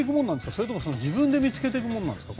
それとも自分で見つけるものですか？